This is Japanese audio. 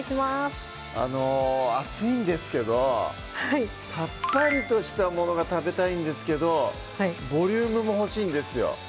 あの暑いんですけどさっぱりとしたものが食べたいんですけどボリュームも欲しいんですよ